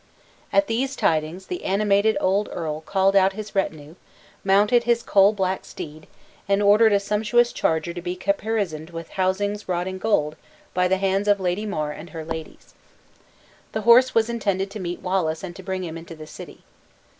At these tidings the animated old earl called out his retinue, mounted his coal black steed, and ordered a sumptuous charger to be caparisoned with housings wrought in gold by the hands of Lady Mar and her ladies. The horse was intended to meet Wallace and to bring him into the city.